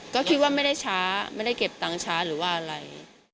ก็คิดว่าไม่ได้ช้าไม่ได้เก็บตังค์ช้าหรือว่าอะไร